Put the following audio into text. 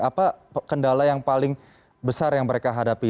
apa kendala yang paling besar yang mereka hadapi